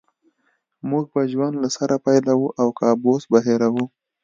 موږ به ژوند له سره پیلوو او کابوس به هېروو